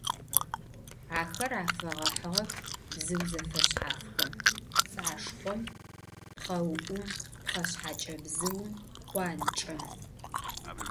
Axer afeğehığex bzıu zefeşshafxem: pts'aşşxhom, pxheu'um, pxheşsheç'ebzıum, khuançç'em ,